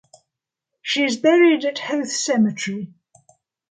She is buried at Howth cemetery.